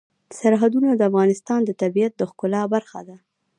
سرحدونه د افغانستان د طبیعت د ښکلا برخه ده.